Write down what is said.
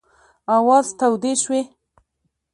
آوازې تودې شوې.